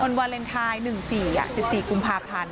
อันวาเลนไทย๑๔อ่ะ๑๔กุมภาพันธ์